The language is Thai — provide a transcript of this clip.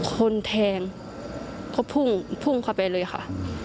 คนแทงก็พุ่งพุ่งเข้าไปเลยค่ะ